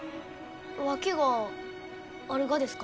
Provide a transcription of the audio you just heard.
訳があるがですか？